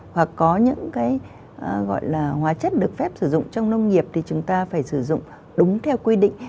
hoặc có những cái gọi là hóa chất được phép sử dụng trong nông nghiệp thì chúng ta phải sử dụng đúng theo quy định